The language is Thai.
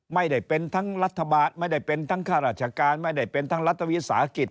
ไม่ได้เป็นทั้งรัฐบาลไม่ได้เป็นทั้งข้าราชการไม่ได้เป็นทั้งรัฐวิสาหกิจ